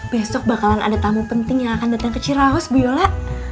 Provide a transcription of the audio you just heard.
besok bakalan ada tamu penting yang akan datang ke cirahos bu yola